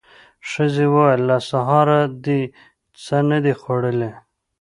ښځې وويل: له سهاره دې څه نه دي خوړلي.